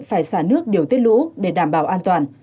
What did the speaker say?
phải xả nước điều tiết lũ để đảm bảo an toàn